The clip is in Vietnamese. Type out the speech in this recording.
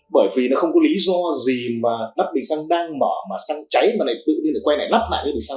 bởi vì nó không có lý do gì mà nắp bình xăng đang mở mà xăng cháy mà này tự nhiên là quay lại nắp lại cái bình xăng